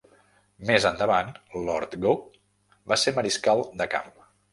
Més endavant, Lord Gough va ser mariscal de camp.